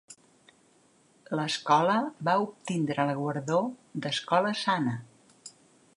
L'escola va obtindre el guardó d'Escola Sana.